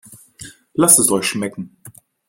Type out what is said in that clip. Lasst es euch schmecken!